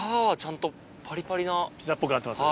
ピザっぽくなってます？